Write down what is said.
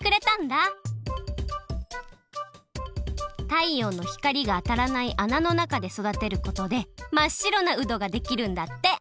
太陽の光があたらないあなの中でそだてることでまっしろなうどができるんだって。